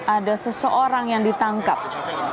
ada seseorang yang di pangkang